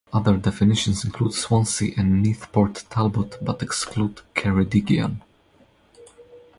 Other definitions include Swansea and Neath Port Talbot but exclude Ceredigion.